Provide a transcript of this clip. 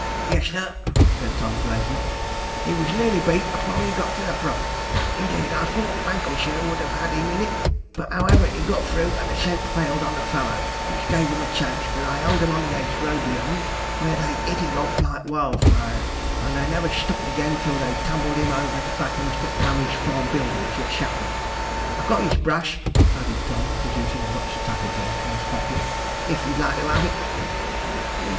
'Yes, sir,' said Tom gravely; 'he was nearly beat afore he got to the brook. Indeed, I thought Vanquisher would have had him in it; but, however, he got through, and the scent failed on the fallow, which gave him a chance; but I held them on to the hedgerow beyond, where they hit it off like wildfire, and they never stopped again till they tumbled him over at the back of Mr. Plummey's farm buildings, at Shapwick. I've got his brush,' added Tom, producing a much tattered one from his pocket, 'if you'd like to have it?'